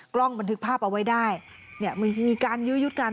กล้องบันทึกภาพเอาไว้ได้เนี่ยมันมีการยื้อยุดกัน